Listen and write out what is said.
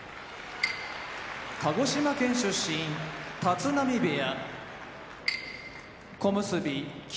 鹿児島県出身立浪部屋小結・霧